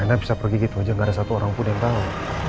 raina bisa pergi begitu saja gak ada satu orang pun yang tahu